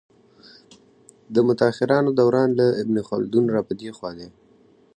د متاخرانو دوران له ابن خلدون را په دې خوا دی.